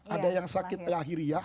ada yang sakit lahir